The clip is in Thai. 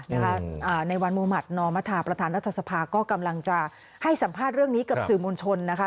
ในวันมุมัตินอมธาประธานรัฐสภาก็กำลังจะให้สัมภาษณ์เรื่องนี้กับสื่อมวลชนนะคะ